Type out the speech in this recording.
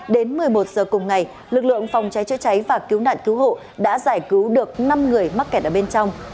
đến một mươi một giờ cùng ngày lực lượng phòng cháy chữa cháy và cứu nạn cứu hộ đã giải cứu được năm người mắc kẹt ở bên trong